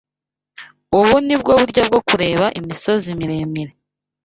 Ubu ni bwo buryo bwo kureba imisozi miremire.